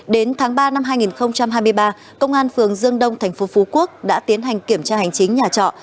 đến tháng ba năm hai nghìn hai mươi ba công an phường dương đông thành phố phú quốc đã tiến hành kiểm tra hành chính nhà trọ